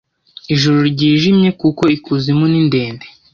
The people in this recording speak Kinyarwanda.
Ijoro ryijimye kuko ikuzimu ni ndende